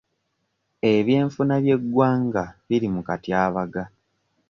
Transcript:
Ebyenfuna by'eggwanga biri mu katyabaga.